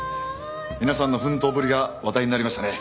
皆さんの奮闘ぶりが話題になりましたね。